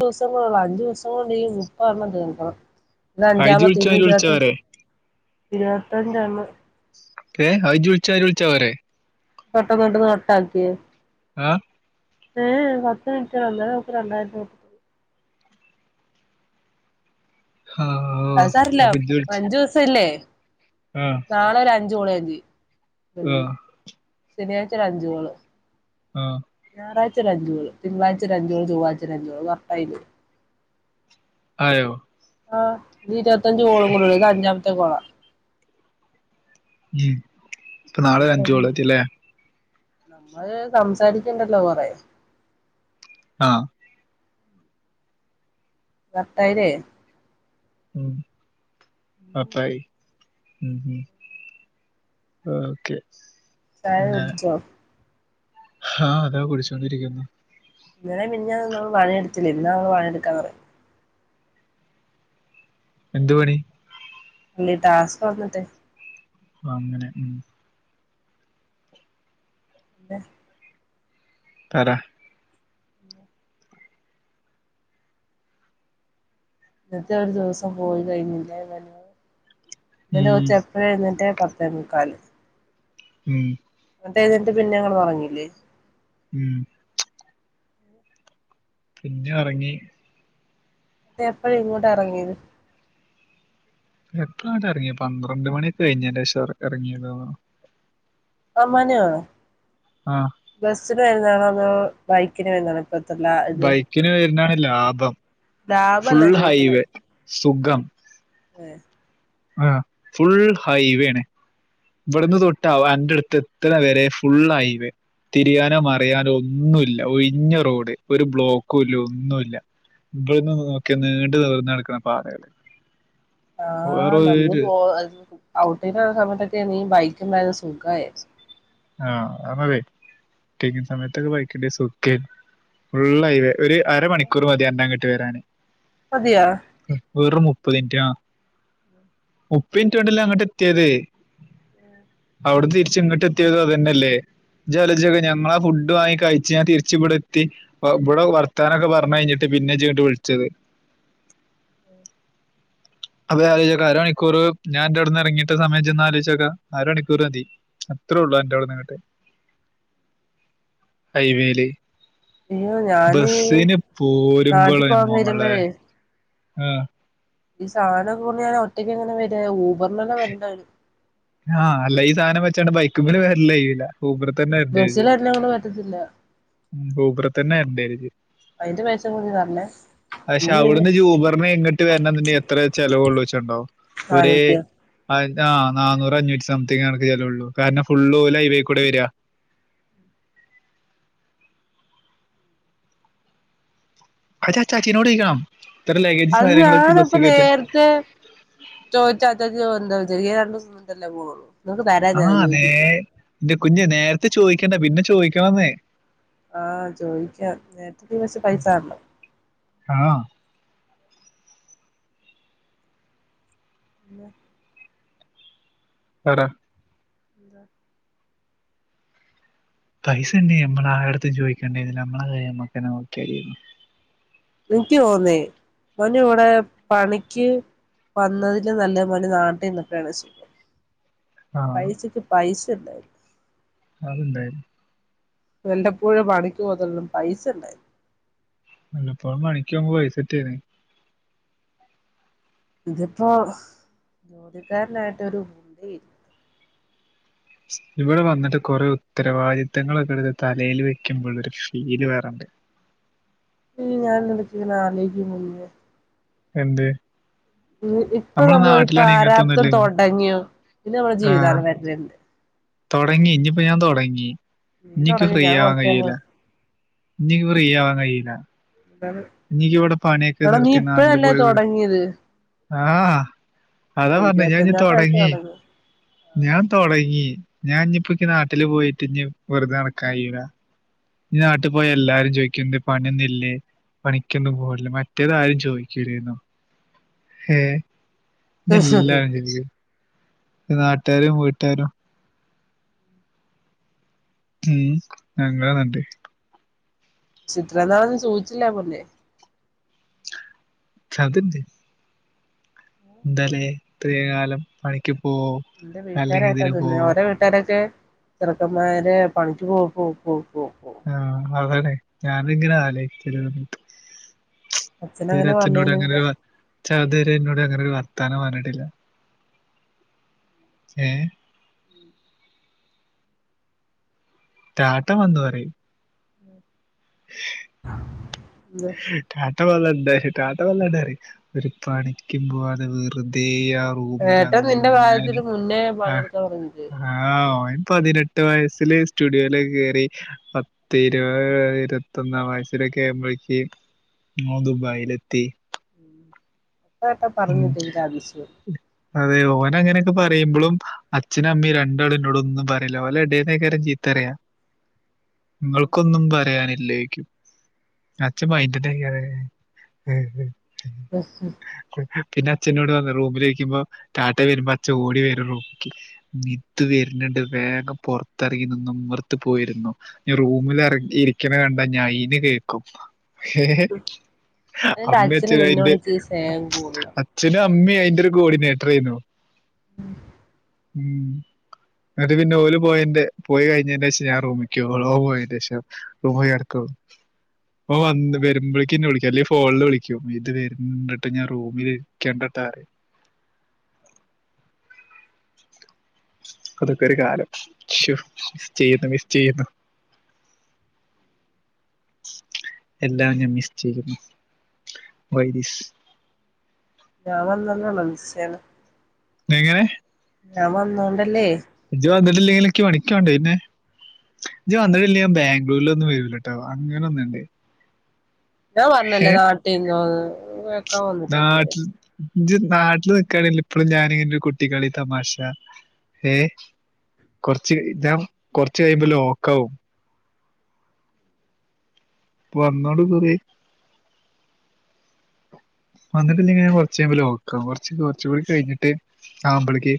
ദിവസം കൊറവാ അഞ്ച് ദിവസം കൊണ്ട് ഈ മുപ്പെണ്ണം തീർക്കണം ഹൈജ് ഇതഞ്ചാമത്തെ വിളിച്ച ഇനി ആര് വിളിച്ചാ ഇരുവത്ത വരെ ഇരുവ രണ്ടെണ്ണം ഏഹ് ഐ ഇജ്ജ് വിള്ച്ചായിരി വിളിച്ചാ പോരെ പെട്ടെന്ന് പെട്ടന്ന് കട്ടാക്ക്യേ ആഹ് ഏഹ്ഏഹ് പത്ത് മിൻറ്റാ പറഞ്ഞത് രണ്ടായിരത്തി [unintelligible] ആ, ഓ അത് സാരല്ല അപ്പൊ ഇജ്ജ് വിളിച്ച അഞ്ചു വസ ഇല്ലേ ആ നാളെ ഒര് അഞ്ച് കോള് ഞാൻ ചെയ് ഉം ഓ ശനിയാഴ്ച ഒരഞ്ച്കോള് ആഹ് ഞാറായാഴ്ച ഒരഞ്ച് കോള് തിങ്കളാഴ്ച ഒരഞ്ച് കോള് ചൊവ്വാഴ്‌ച്ച ഒരഞ്ച് കോള് [unintelligible] ആയോ ആഹ് ഇനി ഇരുവത്തഞ്ച് കോളും കൂടെ ഉളളൂ ഇത് അഞ്ചാമത്തെ കോളാ ഉം അപ്പൊ നാളെ ഒരഞ്ച് കോള് വെച്ച്ലെ നമ്മള് സംസാരിക്ക്ണ്ടല്ലോ കൊറേ ആഹ് കട്ടായിലെ ഉം അപ്പായി ഉം ഉം ഓക്കെ ചായ കുടിച്ചോ ആഹ് അതാ കുടിച്ചോണ്ടിരിക്ക്ന്നു ഇന്നലെം മിനിഞ്ഞാന്നും ഒന്നും അവള് പണിയെടുത്തില്ല ഇന്നാ അവള് പണിയെടുക്കാം തൊടങ്ങിയെ. എന്ത്‌ പണി? അല്ലെ ടാസ്ക് വന്നിട്ടേ അങ്ങനെ ഉം [unintelligible] പറ ഇന്നത്തെ ഒരു ദിവസം പോയി കഴിഞ്ഞില്ലേ മനോ എന്റെ ഉം, കൊച്ചെപ്പഴേ എഴുന്നേറ്റെ ത്തേ മുക്കാല് ഉം എഴുന്നറ്റു പിന്നെ ഞങ്ങൾ ഒറങ്ങീല്ലേ ഉം പിന്നെ ഒറങ്ങി അതെ എപ്പഴാ ഇങ്ങോട്ട് ഇറങ്ങിയത് എത്ര വട്ടം ഇറങ്ങിയ പന്ത്രണ്ട് മണി കഴിഞ്ഞ ശേഷം ഇറങ്ങിയതെന്ന് [unintelligible] ആ ബസ്സിന് വരുന്നതാണോ അതോ ബൈക്കിന് വരുന്നതാ ബൈക്കിന് വരുന്നാണ് ലാഭം ഫുൾ ലാഭല്ല ചോയിക്കണേ ഹൈവേ സുഖം ആ ഫുൾ ഹൈവേ ആണേ ഇവിടുന്ന് തൊട്ട ആൻറ അടുത്ത് എത്തണ വരെ ഫുൾ ഹൈവേ തിരിയാനോ മറിയാനോ ഒന്നുമല്ല ഒഴിഞ്ഞ റോഡ് ഒരു ബ്ലോക്കും ഇല്ല ഒന്നുമല്ല ഇവിടുന്ന് നോക്കിയ നീണ്ടു നിവർന്ന് കിടക്കണ പാതകള് ആ വേറെ നമ്മള് ഒരു പോ ഔട്ടിങ്ങ് സമയത്ത നീ ബയിക്കുമേല സുഖായേ ആ നമ്മക്കെ [unintelligible] സമയത്തൊക്കെ ബൈക്കിന്റെ സുക്കേ ഫൂൾ ഹൈവേ ഒരു അര മണിക്കൂർ മതി എന്നങ്ങോട്ട് ത്ത് പേരാണ് മതിയോ വെറും മുപ്പ മുപ്പത് മിനിറ്റ് ആ മുപ്പത് മിനിറ്റ് കൊണ്ടല്ലേ അങ്ങോട്ട് എത്തിയത് അവിടെ തിരിച്ച ഇങ്ങോട്ട് [unintelligible] അതന്നെയല്ലേ ജലജയിടെ ഞങ്ങള ഫുഡ് വാങ്ങി കഴിച്ചു ഞാൻ തിരിച്ച ഇവിടെ എത്തി ഇവിടെ വർത്താനൊക്കെ പറഞ്ഞ കഴിഞ്ഞിട്ട് പിന്നെ ജിട്ടു വിളിച്ചത് അതെ ആലോചു നോക്ക അരമണിക്കൂർ ഞാൻന്റെ അവിടുന്ന് ഇറങ്ങിട്ട് സമയം ചെന്ന് ആലോചക്ക അരമണിക്കൂർ മതി ഇത്രേ ഉള്ളൂ എന്റെ അവിടെ നിങ്ങട്ടെ ഹൈവേയില് അയ്യോ ഞാന് ബസിന് നാട്ടിൽ പോരുമ്പോളെ പോകാൻ മോളെ വരുമ്പഴേ ആ ഈ സാധനമൊക്കെ കൊണ്ട് ഞാൻ ഒറ്റക്ക് എങ്ങനെ വരിക ഊബറിനെങ്ങാണും വരേണ്ട വരൂം ആ അല്ല ഈ സാധനം വച്ചോണ്ട് ബൈക്കുമ്പ വരല്ലേ ഇയിട ബസ്സിൽ വരുന്നതു എന്നെക്കൊണ്ട് പറ്റത്തില്ല ഊബർതന്ന തന്നെ അതിന്റെ പൈസ കൂടി തരണേ പക്ഷെ എനിക്ക് പിന്നെ അവിടുന്ന് ജൂബറിന് വേണ്ടീട്ടു തന്നെ എത്ര ചെിലവ ഉള്ളു വെച്ചുണ്ടാവും. ഒരേ നാനൂറ്റിയാ അ ആ നന്നൂറ അഞ്ഞൂറ്റ സംതിങ് ആണ കയ്യിലുള്ളൂ കാരണം ഫുള്ള് പോലെ ഇതേ കൂടെ വരിക അച്ചാ ചാച്ചീനോട് ചോദിക്കണം ഇത്ര ലഗേജ് അത് സാധനങ്ങളൊക്കെ ബസ് ഞാനപ്പം കയറ്റാൻ നേരത്തെ ചോദിച്ചാ അച്ചാച്ചനോ എന്തോ ചെറിയ രണ്ട് ദിവസം നിന്നിട്ടല്ലേ പോണൊള്ളു ആഹ് ന്നേ എന്റെ കുഞ്ഞ് നേര് പിന്നെ ചോദിക്കണ്ട പിന്നെ ചോയിക്കാന്നെ ആഹ് ചോദിക്കാ നേരത്തെ നീ വെച്ച പൈസ തരണം. ആ പിന്ന പറ അത [inaudible] [inaudible] [unintelligible] [inaudible] ആ [inaudible] [inaudible] [inaudible] [inaudible] ഇതിപ്പോ ഒരു ജോലിക്കാരൻ ആയിട്ട് ഒരു [inaudible] ഇവിടെ വന്നിട്ട് കുറെ ഉത്തരവാദിത്തങ്ങൾ എടുത്ത് തലയിൽ വെക്കുമ്പോൾ ഒരു ഫീൽ വേറെ ഇണ്ട് [inaudible] ആലോചിക്കും മുന്നേ [inaudible] നമ്മളെ നാട്ടിലാണ് ഇങ്ങനത്തെ ഒന്നും ഇല്ലെങ്കിലും ആ തുടങ്ങി ഇനിയിപ്പോ [inaudible] നീ [inaudible] തൊടങ്ങി ഞാൻ കൊറച്ച് കഴിയുമ്പോ [unintelligible] [inaudible] [inaudible] ഇനിക്ക് ഇവിടെ പണിയൊക്കെ [inaudible] [inaudible] [inaudible] ഇരുപത്തഞ്ചാമത്തെ വയസ്സിലാ തൊടങ്ങിയത് ഞാനിപ്പ് ഇനി നാട്ടിലെ പോയിട്ട് ഇനി വെറുതെ നടക്കാൻ കയുല്ല [inaudible] പക്ഷെ [inaudible] [inaudible] [unintelligible] [inaudible] [unintelligible] [inaudible] [inaudible] അല്ലെങ്കിൽ ഇതിന് പോ [inaudible] [inaudible] ആഹ് അതാണ് [inaudible] [inaudible] അച്ഛനങ്ങനെ പറഞ്ഞിരുന്നെങ്കില് എന്നോട് അങ്ങനെ ഒരു വർത്താനം പറഞ്ഞിട്ടില്ല ഏ [unintelligible] വന്ന് പറയും [unintelligible] [unintelligible] ഒരു പണിക്കും പ്പോവാണ്ട് വെറുതേ യാ ഏട്ടൻ നിന്റെ റൂമിലങ്ങനെ കാര്യത്തിന് മുന്നേ ആഹ് പണിയെടുക്കാൻ പറഞ്ഞില്ലേ ഹാ ഓൻ പതിനെട്ട് വയസ്സില് സ്റ്റുഡിയോയിലേക്ക് കേറി പത്ത് ഇരുപ ഇരുപത്തൊന്നാം വയസ്സിലൊക്കെ ആമ്പോഴേക്കും ഓൻ ദുബായിലെത്തി ഉം കേട്ടോ ഉം പറഞ്ഞില്ലെങ്കി അതിശയം അതെ ഓൻ അങ്ങനെയൊക്കെ പറയിമ്പളും അച്ഛനും അമ്മീം രണ്ടാളുന്നോട് ഒന്നും പറയില്ല ഓല എടേന്നേകാരം ചീത്ത പറയാ. നിങ്ങൾക്കൊന്നും പറയാനി ല്ലേ യ്ക്കും അച്ഛൻ [unintelligible] പിന്നെ അച്ഛനോട് വന്ന് റൂമിലേക്കിപ്പം [unintelligible] വരുമ്പോ അച്ഛൻ ഓടി വരും റൂമിക്ക് നിത്ത് വരുന്ന്ണ്ട് വേഗം പുറത്തിറങ്ങി നിന്നോ പോയിരുന്നോ ഞാ റൂമിലിറങ്ങി ഇരിക്കണ കണ്ട ഞാ അയിന് കേക്കും അല്ല അച്ഛന് അമ്മേച്ചനും നിന്നോട് അയിന്റെ ഇച്ചിരി സ്നേഹം കൂടുതലാ അമ്മേ അയിന്റൊരു കോർഡിനേറ്റർ ആയിനു ഉം എന്നിട്ട് പിന്നെ ഓല് പോയന്റെ പോയി കഴിഞ്ഞേനേശം ഞാൻ റൂമിക്കോളോ പോയേഷം റൂമിക്കിടക്കും അപ്പ വന്ന് വരുമ്പോഴേക്കെ വിളിക്കും അല്ലെ ഫോണില് വിളിക്കും വൈകി ട്ട ഞാൻ റൂമി ഇരിക്കേണ്ടട്ടറയും അതൊക്കെ ഒരു കാലം ശോ ചെയ്യുന്നു മിസ് ചെയ്യുന്നു എല്ലാം ഞാൻ മിസ് ചെയുന്നു വൈ ഞാൻ വന്നേ [unintelligible] മിസ്സ് ചെയ്യണേ എങ്ങനെ ഞാൻ വന്നോണ്ടല്ലേ ണ്ട് പിന്നെ ഇജ്ജ് വന്നിട്ടില്ല ഞാൻ ബാംഗ്ലൂരിലൊന്നും വരൂലട്ടാ അങ്ങനൊന്നുണ്ട് ഞാൻ പറഞ്ഞല്ലേ നാട്ടീന്ന് വ വെക്കാൻ വന്നിട്ടേക്കുവ ഇജ് നാട്ട്ല് നിക്കാണേല് ഇപ്പളും ഞാന് ന്റെ കുട്ടിക്കളി തമാശ ഏ കൊർച്ച് ഞാൻ കാെർച്ചയ്യ്മ്പ ലോക്കാവും വന്നോട് കൂടി വന്നിട്ടില്ലെ ഞാൻ കൊർച്ചയ്യുമ്പ ലോക്കാവും കൊർച്ച് കൊർച്ചൂടിം കയ്ഞ്ഞിട്ട് ആമ്പളേയ്ക്ക്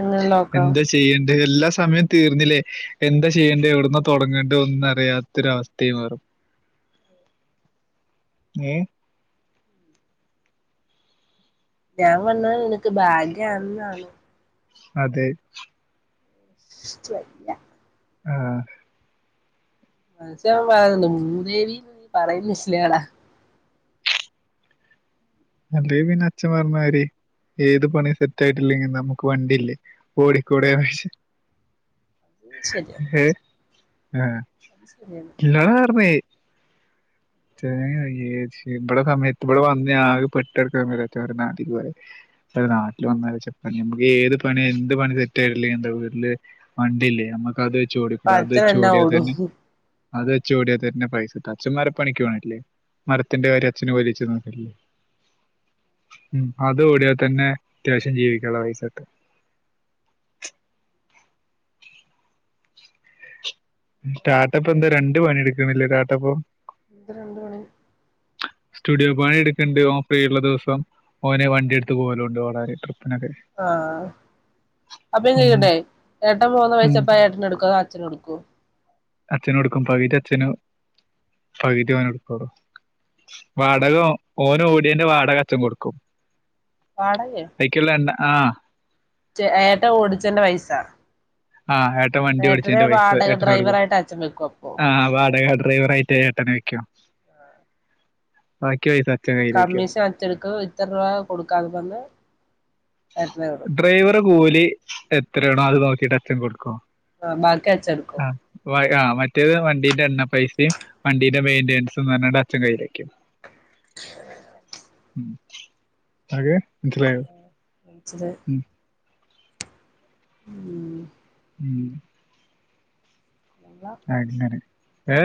എങ്ങനെ നോക്കാം എന്താ ചെയ്യണ്ടെ എല്ലാ സമയം തീർന്നിലേ എന്താ ചെയ്യണ്ടെ ഒവ്ട്ന്നാ തൊടങ്ങെണ്ടെ ഒന്നും അറിയാത്തൊരവസ്ഥയി മാറും ഏ ഞാൻ വന്ന നിനക്ക് ബാഗ്യാൺന്നാണ് അതെ ച് വയ്യ ആഹ് മച്ചാൻ പറയ്ന്ന് മൂദേവിന്ന് നീ പറയ്ന്നെ [unintelligible] യാടാ അല്ലെ പിന്നെ അച്ഛൻ പർഞ്ഞാരി ഏത് പണി സെറ്റായ്ട്ടില്ലെങ്കി നമുക്ക് വണ്ടില്ലേ ഓടിക്കൂടെന്ന് ഉം ശെര്യാ ആഹ് ഇല്ലതാറ്ഞ്ഞേ തേങ്ങയാ ചേച്ചി ഇബടെ സമയത്ത് ഇബടെ വന്ന് ഞാ ആകെ പെട്ടെട്ക്ക [unintelligible] നാട്ടിൽക്ക് വരാൻ അല്ല നാട്ട്ല് വന്നാച്ച നമ്ക്ക് ഏത് പണി എന്ത് പണി സെറ്റായ്ട്ട്ല്ലേ എന്ത വീട്ട്ല് വണ്ടില്ലേ നമ്മക്കത് അപ്പൊ അച്ഛനെന്നാ ഓടും അത് വെച്ചോടിയാ തന്നെ പൈസ കിട്ടും അച്ചന്മാ പണിക്ക്പോണില്ലേ മരത്തിന്റെ കാര്യം അച്ഛൻ വലിയച്ചൻ നോക്കില്ലേ ഉ അത് ഓടിയാൽ തന്നെ അത്യാവശ്യം ജീവികാന്ള്ള പൈസട്ടും സ്റ്റാർട്ടപ്പ് എന്താ രണ്ട് പണിയ എടുക്കുന്നില്ലേ താത്തപ്പോ എന്ത് രണ്ട് പണി സ്റ്റുഡിയോ പണി എടുക്കണ്ട് ഓ ഫ്രീ ഉള്ള ദിവസം ഓനെ വണ്ടി എടുത്ത് പോലോണ്ട് വളരെ ട്രിപ്പ- ആഹ അപ്പോ ഞാൻ ഉം. ചോയിക്കട്ടെ ഏട്ടൻ പോണ പൈസ ഉം. പ്പം ഏട്ടൻ എടുക്കുവോ അതോ അച്ഛന കോടുക്കോ അച്ഛന് കൊടുക്കും പകുതി അച്ഛന് പകുതി ഓന് കൊടുക്കും വാടക ഓന് ഓടിയന്റെ വാടക അച്ഛൻ കൊടുക്കും പാടയെ [unintelligible] ആഹ ച ഏട്ടൻ ഓടിച്ചതിന്റ പൈസ ആഹ് ഏട്ടൻ വണ്ടി ഏട്ടനെ ഓടിച്ചതിന്റെ പൈസ വാടക ഏട്ടന് കൊടുക്കും ഡ്രൈവറായിട്ട് അച്ഛൻ വെക്കും അപ്പൊ ഹാ വാടക ഡ്രൈവർയിട്ട് എട്ടന വെക്കോ ബാക്കിപൈസ കമ്മീഷൻ അച്ഛന്ടുക്കോ എത്ര രൂപ കൊടുക്കാന്നാ പറഞ്ഞെ എത്ര ഡ്രൈവറെ കൂലി എത്രയാണോ അത് നോക്കിട്ട് അച്ഛൻ കൊടുക്കും ആഹ ബാക്കിഅച്ചെനേടുക്കും ആ ആ മറ്റേത് വണ്ടീന്റെ എണ്ണ പൈസയും വണ്ടീന്റെ മെയിന്റനൻസും പറഞ്ഞ് അച്ഛൻ കയ്യിലേക്കും [inaudible] ഓക്കേ മനസ്സിലായോ മനസ്സിലായി ഉം, ഉം ഉം കൊള്ളാം അങ്ങനെ ഏ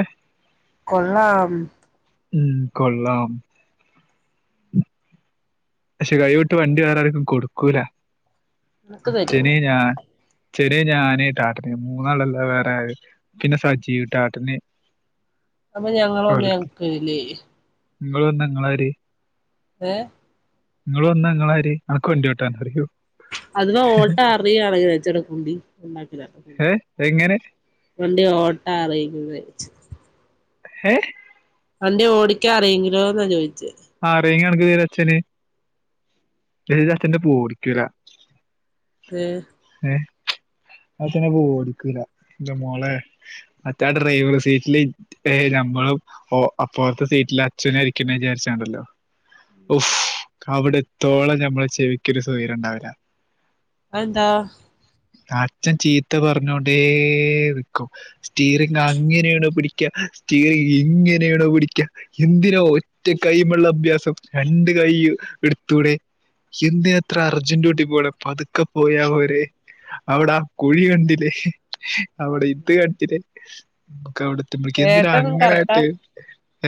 കൊള്ളാം ഉം കൊള്ളാം പക്ഷെ കൈവിട്ട് വണ്ടി വേറെ ആർക്കും കൊടുക്കൂല നിനക്ക് അച്ഛന് തരുവോ ഞാൻ ചെറിയ ഞാനേ ട്ടാട്ടന് മൂന്നാളല്ലാം വേറെ പിന്നെ സജീ ട്ടാട്ടന് അപ്പൊ ഞങ്ങളൂ വന്നാൽ ഞങ്ങൾക്ക് തരില്ലേ നിങ്ങള് വന്ന നിങ്ങളാര് ഏ നിങ്ങൾ വന്ന നിങ്ങള ആരി അനക്ക്‌വണ്ടി ഒട്ടാൻഅറിയേ അതിന് ഒട്ടാൻഅറിയയാണെങ്കിൽ ചച്ചടെ കുണ്ടി ഉണ്ടാക്കണ്ട ഏ എങ്ങനെ വണ്ടി ഓട്ട അറിയുന്നത് ഏ എ വണ്ടിഓടിക്കാൻ അറിയെങ്കിലോ എന്നാ ചോദിച്ചത് ആഹ് അറിയെങ്കി അണക്ക് പേര് അച്ഛന് [unintelligible] അച്ഛന്റാെപ്പം ഓടിക്ക്യൂലാ എ എ അപ്പതിന്ഓടിക്കൂല എന്റെമോളെ മറ്റാ ന്റ ഡ്രൈവർ സീറ്റില് ഏ നമ്മളും ഓ അപ്പറത്തെ സീറ്റില് അച്ഛന ഇരിക്കണ വിചാരിച്ചണ്ടല്ലോ ഉഫ്ഫ് അവിടെ ത്തോളം നമ്മള് ചെവിക്കൊരു സെയ്രണ്ടാവില്ല അതന്താ അച്ഛൻ ചീത്ത പറഞ്ഞോണ്ടേക്കും സ്റ്റീറിങ് അങ്ങനെയാണോ പിടിക്ക സ്റ്റീറിങ് ഇങ്ങനെയാണോ പിടിക്കാ എന്തിനോ ഒറ്റ കൈമുള്ള അഭ്യാസം രണ്ട് കൈ എടുത് ത്തൂടെ എന്തിനാത്രെ അർജന്റൂട്ടി പോണെ പത്ക്കെ പോയാ പോരേ അവ്ടാ ആ കുഴി കണ്ട്ലേ അവ്ടെ ഇത് കണ്ട്ലേ ഒക്കവ്ട് ത്ത്മ്പഴേക്ക് എന്തിനാ ഏട്ടനും കറക്റ്റാ അങ്ങനായ്ട്ട്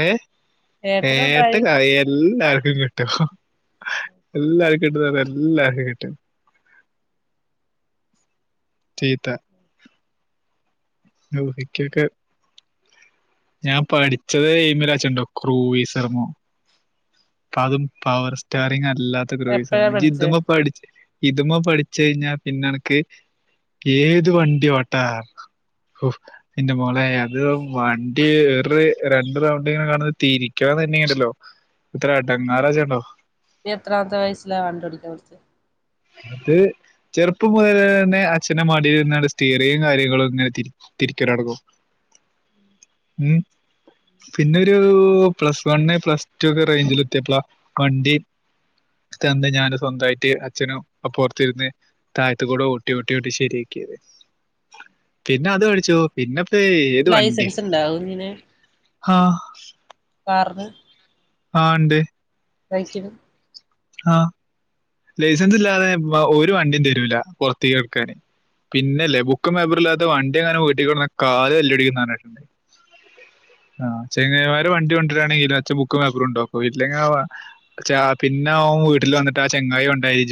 ഏ ഏട്ടനും ഏട്ട് ഡ്രൈവിങ് അയൽ ല്ലാർക്കും കിട്ടും എല്ലർക്കും കിട്ടുന്നറഞ്ഞ എല്ലാർക്കും കിട്ടും ചീത്ത ദോഹികൊക്കെ ഞാൻ പഠിച്ചത് എയിമ ലാച്ചോണ്ടോ ക്രൂയി ശർമോ പ്പൊഅതും പവർ സ്റ്റാറിങ് ആ അല്ലാത്തഗ്രൂയിസർ എപ്പഴാ മോ ഇജ് ഇതി പഠിച്ചേ മോ പഠിച്ച് ഇതുമോ പഠിച്ച കഴിഞ്ഞാ പിന്നെ അനക്ക് ഏത് വണ്ടി ഓട്ടാ ഉഫ് എന്റെ മോളെ അത് വൺ ഗിർരണ്ട്റൗണ്ട് ഇങ്ങനെ കടന്ന്തിരിക്കാനാലുണ്ടല്ലോ ഇത്ര അടങ്ങറാജ ണ്ടോ നിഎത്രമത്തെ വയസിലാവണ്ടിയൊടിക്ക അത് ചെറുപ്പം മുതല തന്നെ അച്ഛന്റെ മടിയിൽരുന്നങ്ങാട് സ്റ്റീറും കാര്യങ്ങളും ഇങ്ങനെതി തിരിക്കലോടങ്ങും ഉം പിന്നെ ഒരു പ്ലസ് വണ് പ്ലസ് ടു ഒക്കെ റേഞ്ചിൽ എത്തിയപ്പള വണ്ടി തന്ന ഞാൻ സ്വന്തായിട്ട് അച്ഛനും അപ്പറത്തിരുന്ന് താഴത്തുകൂടെ ഊട്ടി ട്ടി ട്ടി ശരിയാക്കിയത് പിന്നെ അത് കഴിച്ചു പിന്നെ ഏയ് ഏത് വണ്ടി ലൈസൻസ് ഇണ്ടാ കുഞ്ഞിന് ആഹ പറഞ്ഞ് ആ ഇണ്ട് കഴിക്കും ആഹ ലൈസൻസ് ഇല്ലാതെ ഒരു വണ്ടിയും തരൂല്ല പൊറത്തേക്കറക്കാന് പിന്നല്ലേ ബുക്കും പേപ്പറും ഇല്ലാത്ത വണ്ടി എങ്ങാനും വീട്ടിൽ കൊണ്ടുവന്നാൽ കാല് തല്ലി ഒടിക്കും എന്ന് പറഞ്ഞിട്ട്ണ്ട് ആ ചെങ്ങായ്മാര് വണ്ടി കൊണ്ടരാണെങ്കില് അച്ഛൻ ബുക്കും പേപ്പറും ഉണ്ടോക്കും ഇല്ലെങ്കി ആ ച്ച പിന്നെ ഓൻ വീട്ടിൽ വന്നിട്ട ചെങ്ങായി കൊണ്ടോയി